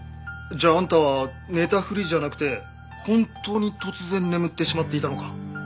じゃああんたは寝たふりじゃなくて本当に突然眠ってしまっていたのか？